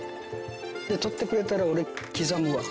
取ってくれたら俺刻むわ。